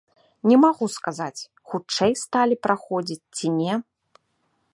Не магу сказаць, хутчэй сталі праходзіць ці не.